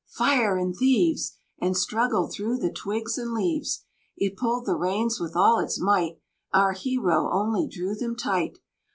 "Fire!" and "Thieves!" And struggled through the twigs and leaves. It pulled the reins with all its might, Our hero only drew them tight.